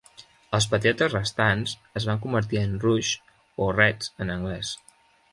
Els Patriotes restants, es van convertir en "Rouges", o "Reds" en anglès.